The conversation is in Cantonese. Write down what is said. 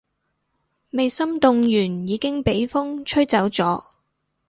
未心動完已經畀風吹走咗